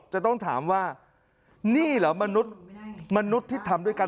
จะต้องถามว่านี่เหรอมนุษย์มนุษย์ที่ทำด้วยกัน